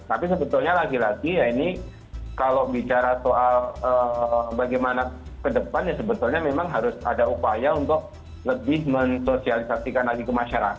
tapi sebetulnya lagi lagi ya ini kalau bicara soal bagaimana ke depan ya sebetulnya memang harus ada upaya untuk lebih mensosialisasikan lagi ke masyarakat